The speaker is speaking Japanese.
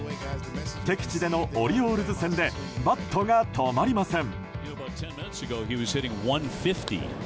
敵地でのオリオールズ戦でバットが止まりません。